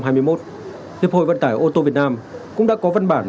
hiệp hội vận tải ô tô việt nam cũng đã có văn bản